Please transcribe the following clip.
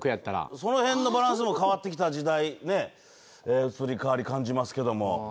その辺のバランスも変わってきた時代、移り変わりを感じますけども。